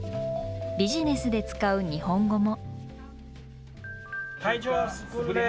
ビジネスで使う日本語も。